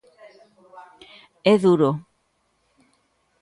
É duro.